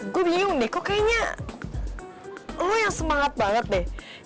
gue bingung nih kok kayaknya lo yang semangat banget deh